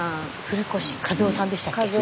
古越和雄さんでしたっけ？